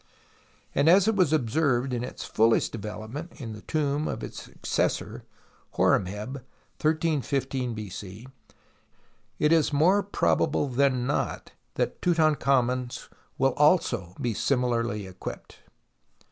and as it was observed in its fullest development in the tomb of his successor, Horemheb(131 .5 B.C.), it is more probable than notthat Tutankhamen's will also be similarly equipped.